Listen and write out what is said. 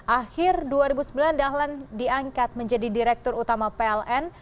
akhir dua ribu sembilan dahlan diangkat menjadi direktur utama pln